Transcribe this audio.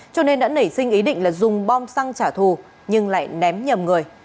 cho nên đã nảy sinh ý định là dùng bom xăng trả thù nhưng lại ném nhầm người